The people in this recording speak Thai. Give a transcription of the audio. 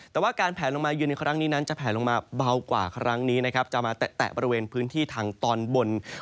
แต่ว่าการแผลลงมาเยือนในครั้งนี้นั้นจะแผลลงมาเบากว่าครั้งนี้นะครับ